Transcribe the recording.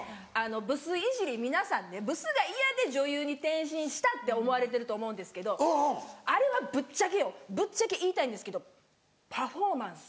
ブスいじり皆さんねブスが嫌で女優に転身したって思われてると思うんですけどあれはぶっちゃけよぶっちゃけ言いたいんですけどパフォーマンス。